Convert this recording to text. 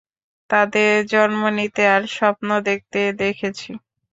তাদের জন্ম নিতে আর স্বপ্ন দেখতে দেখেছি।